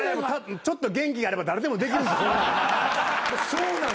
ちょっと元気があれば誰でもできるんですこんなの。